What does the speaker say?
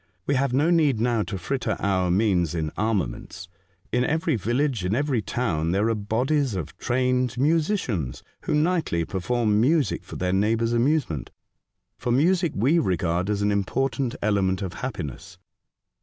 We have no need now to fritter our means in armaments. In every village, in every town there are bodies of trained musicians, who nightly perform music The Voyage of Circumnavigation. 147 for their neighbours' amusement, for music we regard as an important element of happiness.